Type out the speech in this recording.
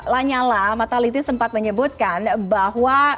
lanyala mataliti sempat menyebutkan bahwa